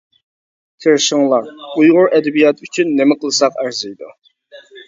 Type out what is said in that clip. تىرىشىڭلار، ئۇيغۇر ئەدەبىياتى ئۈچۈن نېمە قىلساق ئەرزىيدۇ.